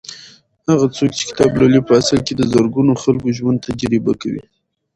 هغه څوک چې کتاب لولي په اصل کې د زرګونو خلکو ژوند تجربه کوي.